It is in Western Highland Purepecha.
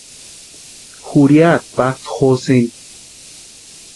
Jurhiata patʼii Jose.